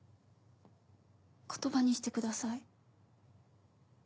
言葉にしてください。